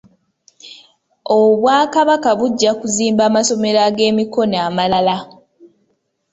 Obwakabaka bujja kuzimba amasomero g'emikono amalala.